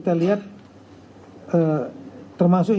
dan di pab servisine shop